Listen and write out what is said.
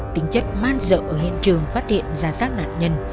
tính chất man dợ ở hiện trường phát hiện ra sát nạn nhân